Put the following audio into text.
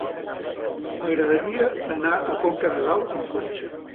M'agradaria anar a Conca de Dalt amb cotxe.